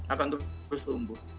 akan terus tumbuh